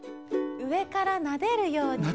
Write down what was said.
うえからなでるように。